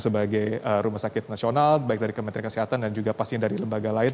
sebagai rumah sakit nasional baik dari kementerian kesehatan dan juga pasti dari lembaga lain